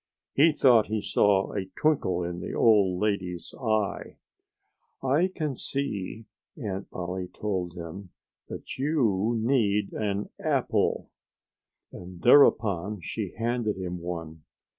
He thought he saw a twinkle in the old lady's eye. "I can see," Aunt Polly told him, "that you need an apple." And thereupon she handed him one.